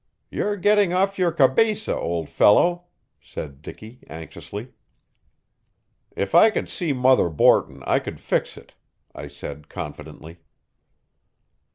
You're getting off your cabesa, old fellow," said Dicky anxiously. "If I could see Mother Borton I could fix it," I said confidently.